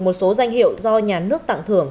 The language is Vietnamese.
một số danh hiệu do nhà nước tặng thưởng